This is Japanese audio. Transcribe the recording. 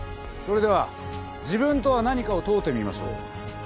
それでは自分とは何かを問うてみましょう。